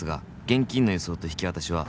「現金の輸送と引き渡しは」